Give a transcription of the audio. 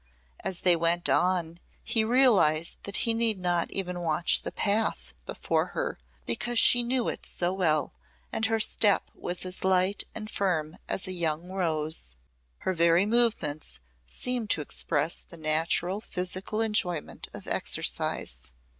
As they went on he realised that he need not even watch the path before her because she knew it so well and her step was as light and firm as a young roe's. Her very movements seemed to express the natural physical enjoyment of exercise.